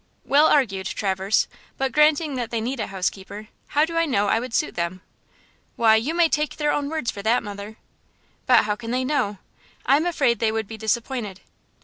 "Well argued Traverse; but granting that they need a housekeeper, how do I know I would suit them?" "Why, you may take their own words for that, mother!" "But how can they know? I am afraid they would be disappointed!"